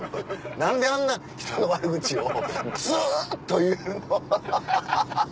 何であんな人の悪口をずっと言うの？」。